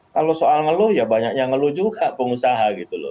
kalau soal ngeluh ya banyaknya ngeluh juga pengusaha gitu loh